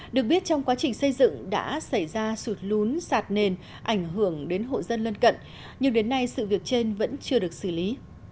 được biết trong quá trình xây dựng đã xảy ra sụt lún sạt nền ảnh hưởng đến hộ dân lân cận nhưng đến nay sự việc trên vẫn chưa được xử lý